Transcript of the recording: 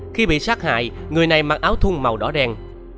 khi bị sát hại người này mặc áo thung màu đỏ đen